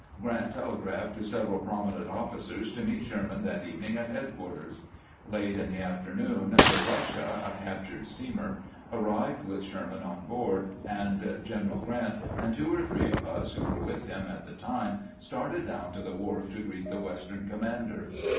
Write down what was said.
Grant telegraphed to several prominent ofl&cers to meet Sherman that evening at headquarters. Late in. the afternoon the Russia, a captured steamer, arrived with Sherman aboard, and General Grant and two or three of us who were with him at the time started down to the wharf to greet the "Western commander.